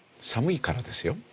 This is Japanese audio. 寒いからですよ？